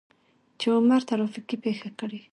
چې عمر ترافيکي پېښه کړى.